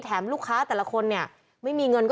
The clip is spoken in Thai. แถมลูกค้าแต่ละคนเนี่ยไม่มีเงินก็ฝากเรือกับพี่ไม่ได้หรอก